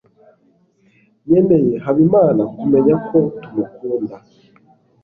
nkeneye habimana kumenya ko tumukunda